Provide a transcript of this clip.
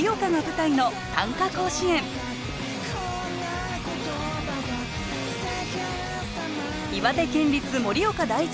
甲子園岩手県立盛岡第一